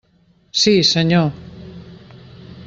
Sí, senyor.